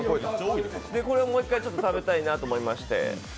これもう一回食べたいなと思いまして。